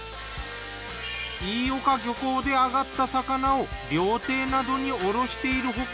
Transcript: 飯岡漁港で揚がった魚を料亭などに卸している他